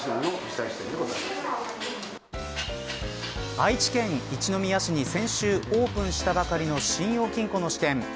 愛知県一宮市に先週オープンしたばかりの信用金庫の支店。